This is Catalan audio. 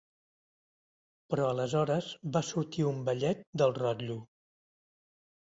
Però aleshores va sortir un vellet del rotllo.